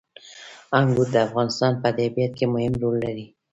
انګور د افغانستان په طبیعت کې مهم رول لري.